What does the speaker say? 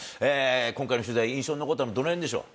今回の取材、印象に残ったところ、どのへんでしょう？